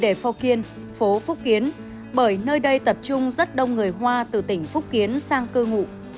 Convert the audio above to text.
đây là nơi phố kiên phố phúc kiến bởi nơi đây tập trung rất đông người hoa từ tỉnh phúc kiến sang cư ngụ